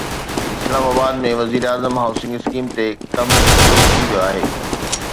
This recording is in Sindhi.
اسلام آباد ۾ وزيراعظم هائوسنگ اسڪيم تي ڪم شروع ٿي ويو آهي